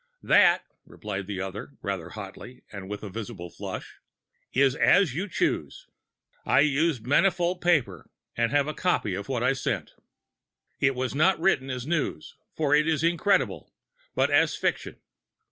"That," replied the other, rather hotly and with a visible flush, "is as you choose. I used manifold paper and have a copy of what I sent. It was not written as news, for it is incredible, but as fiction.